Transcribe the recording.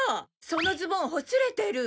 そのズボンほつれてる！